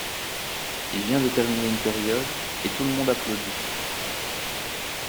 Il vient de terminer une période et tout le monde applaudit.